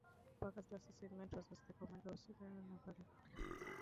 Parker's last assignment was as the Commander of the Confederate Naval Academy.